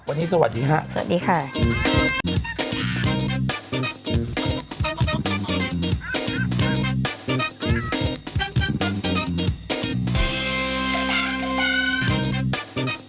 วันนี้สวัสดีค่ะ